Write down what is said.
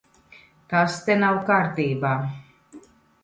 Tas te nav kārtībā.